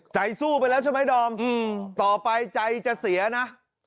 ใจสู้ไปแล้วใช่ไหมดอมต่อไปใจจะเสียนะ